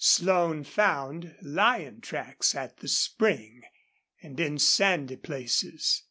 Slone found lion tracks at the spring and in sandy places.